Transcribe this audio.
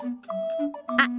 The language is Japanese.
あっ